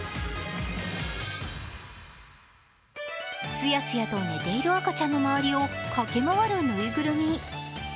スヤスヤと寝ている赤ちゃんの周りを駆け回るぬいぐるみ。